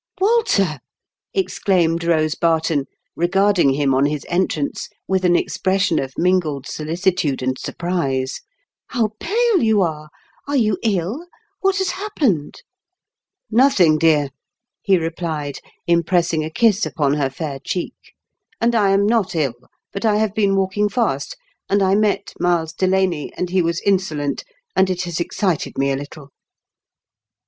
" Walter !'' exclaimed Kose Barton, regard ing him on his entrance with an expression of mingled soUcitude and surprise, "how pale you are ! Are you ill ? What has happened ?"" Nothing, dear," he replied, impressing a kiss upon her fair cheek. " And I am not iU ; but I have been walking fast, and I met Miles Delaney, and he was insolent, and it has excited me a little."